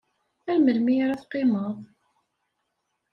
Ar melmi ara teqqimeḍ?